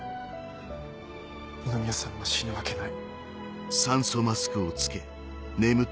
二宮さんが死ぬわけない。